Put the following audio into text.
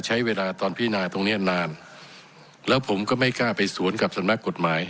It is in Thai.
ใช้เวลาตอนพินาตรงเนี้ยนานแล้วผมก็ไม่กล้าไปสวนกับสำนักกฎหมาย